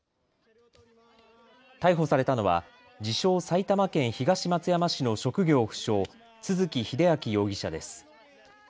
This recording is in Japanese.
逮捕されたのは自称、埼玉県東松山市の職業不詳、都築英明容疑者です。